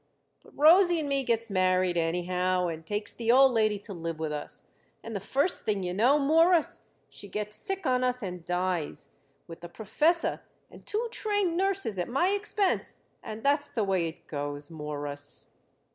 But Rosie and me gets married, anyhow, and takes the old lady to live with us, and the first thing you know, Mawruss, she gets sick on us and dies, with a professor and two trained nurses at my expense, and that's the way it goes, Mawruss."